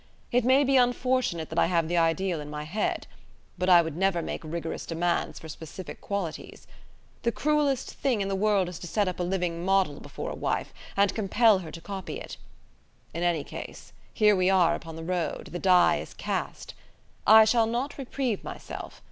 It may be unfortunate that I have the ideal in my head. But I would never make rigorous demands for specific qualities. The cruellest thing in the world is to set up a living model before a wife, and compel her to copy it. In any case, here we are upon the road: the die is cast. I shall not reprieve myself.